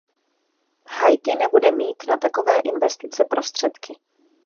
Haiti nebude mít na takové investice prostředky.